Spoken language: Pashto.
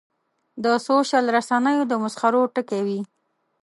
د سوشل رسنیو د مسخرو ټکی وي.